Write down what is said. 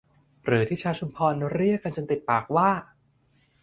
หรือที่ชาวชุมพรเรียกกันจนติดปากว่า